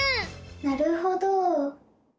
なるほど！